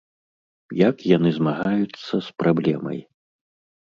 Як яны змагаюцца з праблемай?